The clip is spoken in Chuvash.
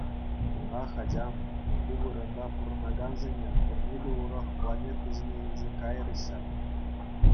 Ах, ачам, ку вырӑнта пурӑнакансене пурне те урӑх планета ҫине илсе кайрӗҫ ҫав.